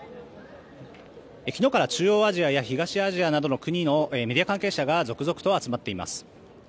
昨日から中央アジアや東アジアなどの国のメディア関係者が続々と集まっています。